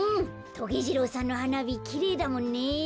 トゲ次郎さんのはなびきれいだもんね。